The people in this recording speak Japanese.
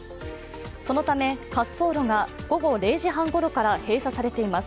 そのため、滑走路が午後０時半ごろから閉鎖されています。